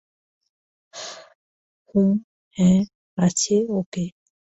হুম, হ্যাঁ, আছে ওকে।